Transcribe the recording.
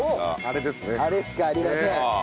あれしかありません。